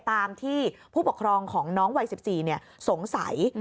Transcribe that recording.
ตามที่ผู้ปกครองของน้องวัย๑๔สงสัย